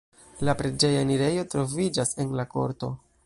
La preĝeja enirejo troviĝas en la korto.